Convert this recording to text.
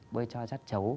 bơi cho rắt chấu